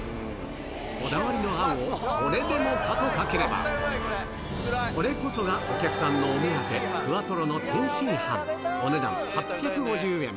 こだわりのあんをこれでもかとかければ、これこそがお客さんのお目当て、ふわとろの天津飯、お値段８５０円。